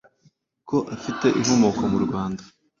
ko afite inkomoko mu Rwanda.